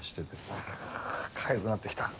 ああかゆくなってきた。